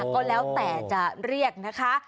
ก็แล้วแต่จะเรียกนะคะ